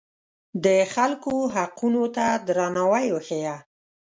د خلکو حقونو ته درناوی وښیه.